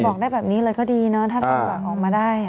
บอกได้แบบนี้เลยก็ดีนะถ้าจังหวะออกมาได้